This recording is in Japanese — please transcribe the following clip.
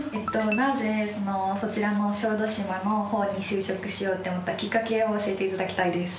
なぜそちらの小豆島の方に就職しようって思ったきっかけを教えていただきたいです。